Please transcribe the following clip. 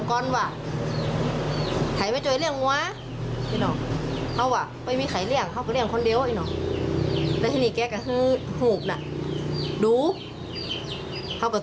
ก็ปีละนี่เขาว่าล่ะมีคนแขนเขาตายอยู่ฮัน